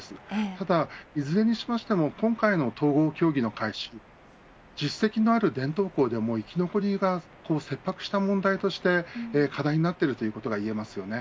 ただ、いずれにしても今回の統合協議の開始実績のある伝統校でも生き残りが切迫した問題として課題となっているということが言えますよね。